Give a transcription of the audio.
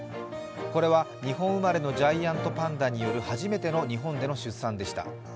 これは日本生まれのジャイアントパンダによる初めての日本での出産でした。